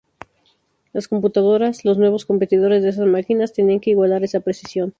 Las computadoras, los nuevos competidores de esas máquinas, tenían que igualar esa precisión.